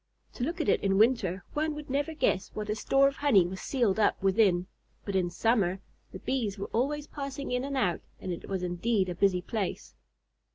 To look at it in winter, one would never guess what a store of honey was sealed up within, but in summer the Bees were always passing in and out, and it was indeed a busy place.